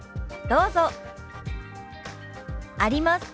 どうぞ。